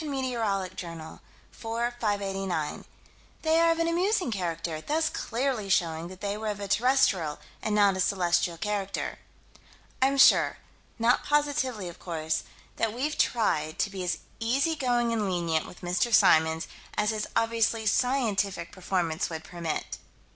Met. Jour._, 4 589: "They are of an amusing character, thus clearly showing that they were of a terrestrial and not a celestial character." I'm sure not positively, of course that we've tried to be as easygoing and lenient with Mr. Symons as his obviously scientific performance would permit.